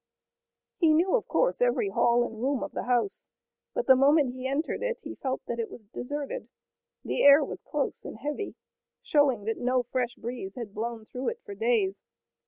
He knew of course every hall and room of the house, but the moment he entered it he felt that it was deserted. The air was close and heavy, showing that no fresh breeze had blown through it for days.